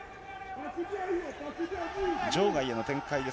場外への展開です。